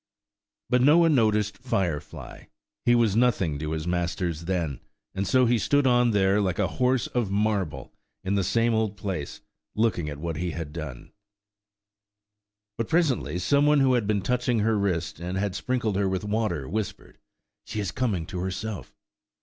But no one noticed Firefly–he was nothing to his masters then, and so he stood on there like a horse of marble, in the same old place, looking at what he had done. But presently some one who had been touching her wrist and had sprinkled her with water whispered, "She is coming to herself!"